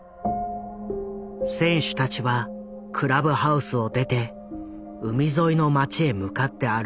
選手たちはクラブハウスを出て海沿いの町へ向かって歩き始めた。